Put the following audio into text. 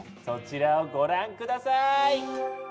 そちらをご覧下さい！